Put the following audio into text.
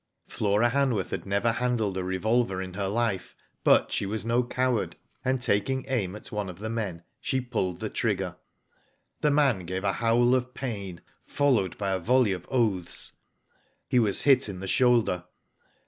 Flora Hanworth had never handled a revolver in her life, but she was no coward, and taking aim at one of the men, she pulled the trigger. The man gave a howl of pain, followed by a volley of oaths. He was hit in the shoulder.